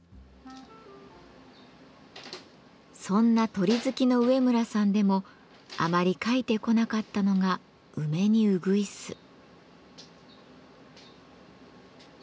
そんな鳥好きの上村さんでもあまり描いてこなかったのが「梅にうぐいす」。